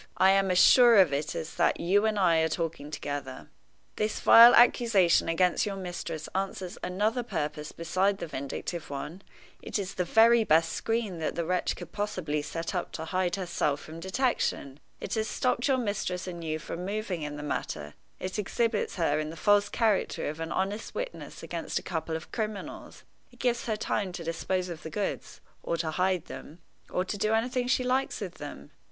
I am as sure of it as that you and I are talking together. This vile accusation against your mistress answers another purpose besides the vindictive one it is the very best screen that the wretch could possibly set up to hide herself from detection. It has stopped your mistress and you from moving in the matter; it exhibits her in the false character of an honest witness against a couple of criminals; it gives her time to dispose of the goods, or to hide them, or to do anything she likes with them.